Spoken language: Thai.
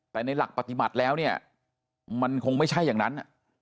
แต่ในหลักปฏิบัติแล้วเนี่ยมันคงไม่ใช่อย่างนั้น